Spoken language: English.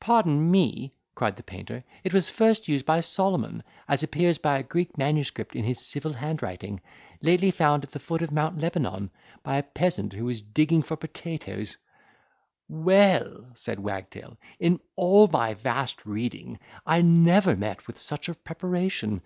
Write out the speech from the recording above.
"Pardon me," cried the painter, "it was first used by Solomon, as appears by a Greek manuscript in his civil handwriting, lately found at the foot of Mount Lebanon, by a peasant who was digging for potatoes—" "Well," said Wagtail, "in all my vast reading, I never met with such a preparation!